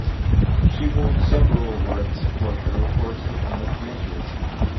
She won several awards for her reporting and documentaries.